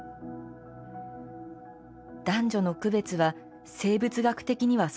「男女の区別は生物学的には存在する。